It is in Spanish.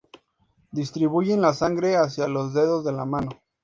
Distribuyen la sangre hacia los dedos de la mano.